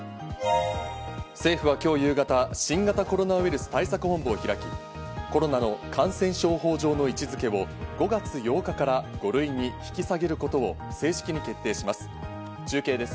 政府は今日夕方、新型コロナウイルス対策本部を開き、コロナの感染症法上の位置付けを５月８日から５類に引き下げることを正式に決定します。